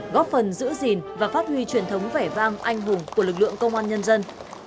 góp phần giữ gìn và phát huy truyền thống vẻ vang anh hùng của lực lượng công an nhân dân